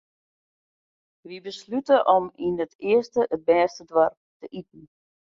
Wy beslute om yn it earste it bêste doarp te iten.